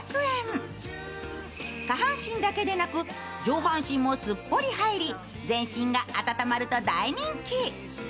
下半身だけでなく、上半身もすっぽり入り全身が温まると大人気。